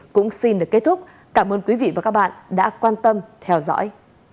cũng xin được kết thúc cảm ơn quý vị và các bạn đã quan tâm theo dõi